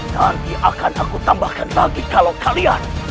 nanti akan aku tambahkan lagi kalau kalian